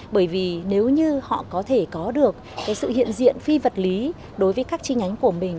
bởi vì nếu như họ có thể có được sự hiện diện phi vật lý đối với các chi nhánh của mình